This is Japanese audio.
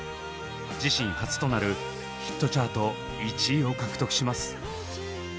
自身初となるヒットチャート１位を獲得します。